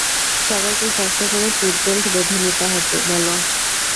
সবাইকে শক্ত করে সিট বেল্ট বেঁধে নিতে বলো।